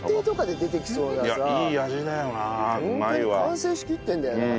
ホントに完成しきってるんだよな。